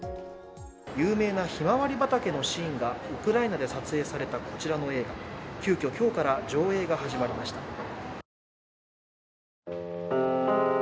有名なひまわり畑のシーンがウクライナで撮影されたこちらの映画、急きょ、今日から上映が始まりました。